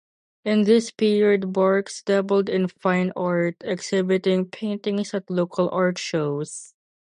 In this period Barks dabbled in fine art, exhibiting paintings at local art shows.